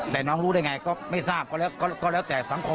แต่น้องรู้ได้อย่างไรก็ไม่ทราบก็แล้วก็แล้วแต่สังคม